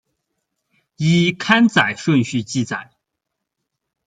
依刊载顺序记载。